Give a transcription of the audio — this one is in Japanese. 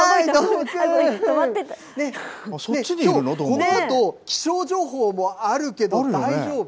このあと、気象情報もあるけど、大丈夫？